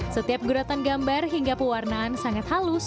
setiap guratan gambar hingga pewarnaan sangat halus